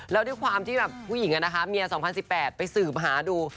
แล้วด้วยความที่แบบผู้หญิงเมีย๒๐๑๘ไปสืบหาดู